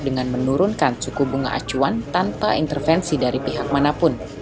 dengan menurunkan suku bunga acuan tanpa intervensi dari pihak manapun